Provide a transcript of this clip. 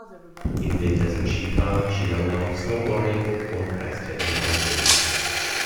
Im Winter sind Skifahren, Ski-Langlauf, Snowboarding und Eisklettern im Angebot.